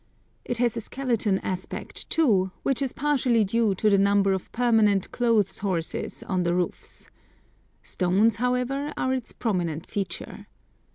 It has a skeleton aspect too, which is partially due to the number of permanent "clothes horses" on the roofs. Stones, however, are its prominent feature.